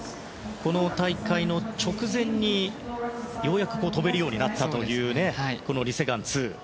この大会の直前にようやく跳べるようになったというこのリ・セグァン２。